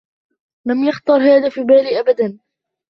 لم يخطر هذا في بالي أبدا.